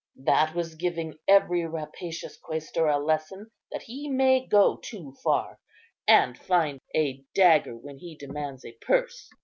That was giving every rapacious Quæstor a lesson that he may go too far, and find a dagger when he demands a purse."